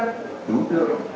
đường hướng chính chất